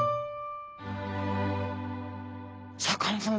シャーク香音さま